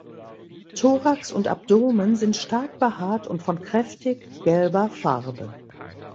Thorax und Abdomen sind stark behaart und von kräftig gelber Farbe.